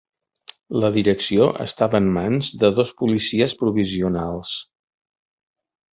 La direcció estava en mans de dos policies provisionals.